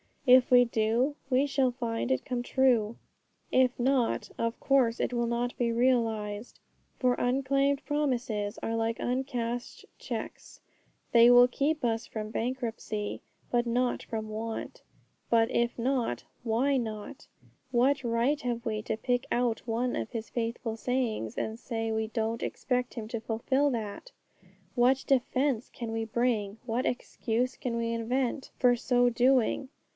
If we do, we shall find it come true. If not, of course it will not be realized. For unclaimed promises are like uncashed cheques; they will keep us from bankruptcy, but not from want. But if not, why not? What right have we to pick out one of His faithful sayings, and say we don't expect Him to fulfil that? What defence can we bring, what excuse can we invent, for so doing?